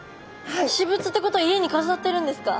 私物ってことは家にかざってるんですか？